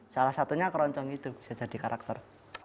salah satunya keroncong itu bisa jadi karakter